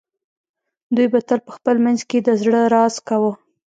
دوی به تل په خپل منځ کې د زړه راز کاوه